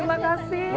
terima kasih mbak